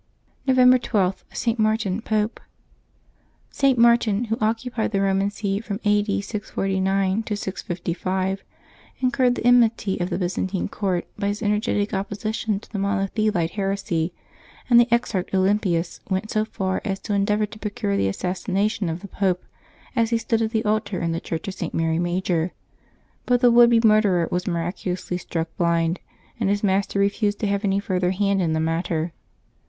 November 12.— ST. MARTIN, Pope. [T. Martin", who occupied the Eoman See from a. d. 649 to 655, incurred the enmity of the Byzantine court by his energetic opposition to the Monothelite heresy, and the Exarch Oljinpius went so far as to endeavor to procure the assassination of the Pope as he stood at the altar in the Church of St. Mary Major; but the would be murderer was miraculously struck blind, and his master refused to have any further hand in the matter.